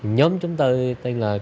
nhóm chúng tôi tên là